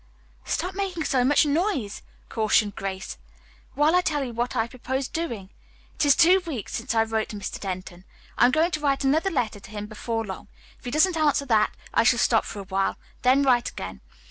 "Stop making so much noise," cautioned Grace, "while I tell you what I propose doing. It is two weeks since I wrote to Mr. Denton. I am going to write another letter to him before long. If he doesn't answer that, I shall stop for a while, then write again.